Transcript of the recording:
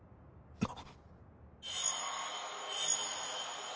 あっ。